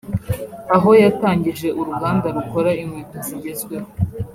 aho yatangije uruganda rukora inkweto zigezweho